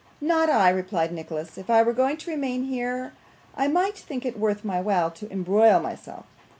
'Not I,' replied Nicholas. 'If I were going to remain here, I might think it worth my while to embroil myself.